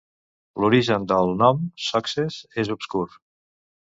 L'origen del nom "Success" és obscur.